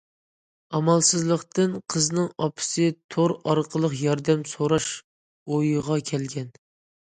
ئامالسىزلىقتىن، قىزنىڭ ئاپىسى تور ئارقىلىق ياردەم سوراش ئويىغا كەلگەن.